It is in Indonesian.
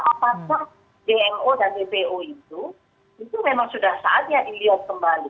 apakah dmo dan dpo itu itu memang sudah saatnya dilihat kembali